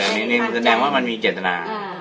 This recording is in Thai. แสดงว่ามันมีเจตนา